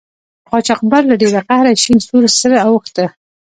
قاچاقبر له ډیره قهره شین سور سره اوښته.